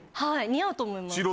似合うと思います。